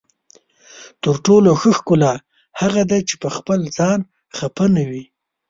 تر ټولو ښه ښکلا هغه ده چې پخپل ځان خفه نه وي.